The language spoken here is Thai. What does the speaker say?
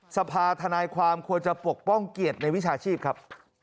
สภาธนายความควรจะปกป้องเกียรติในวิชาชีพครับ